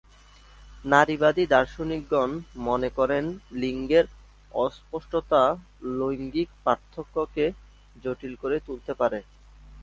নারীবাদী দার্শনিকগণ মনে করেন লিঙ্গের অস্পষ্টতা লৈঙ্গিক পার্থক্যকে জটিল করে তুলতে পারে।